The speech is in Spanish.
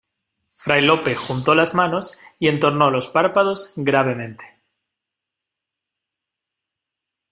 fray Lope juntó las manos y entornó los párpados gravemente: